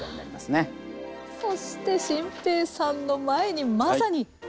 そして心平さんの前にまさに。